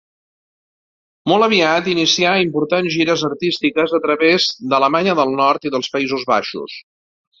Molt aviat inicià importants gires artístiques a través d'Alemanya del Nord i dels Països Baixos.